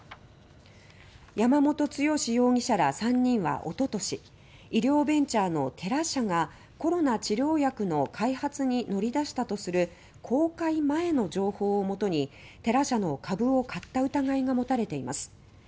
山本寅容疑者ら３人はおととし医療ベンチャーのテラ社がコロナ治療薬の開発に乗り出したとする公開前の情報をもとにテラ社の株を買った疑いが持たれています。